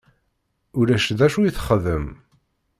Ulac d acu i texdem.